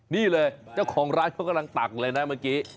นี่เลยเจ้าของร้านเขากำลังตักเลยนะเมื่อกี้